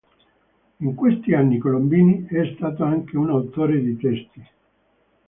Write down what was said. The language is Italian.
In questi anni Colombini è stato anche un autore di testi.